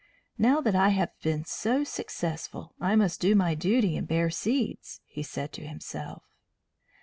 "Now that I have been so successful, I must do my duty and bear seeds," he said to himself.